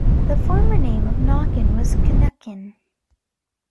The former name of Knockin was Cnukyn.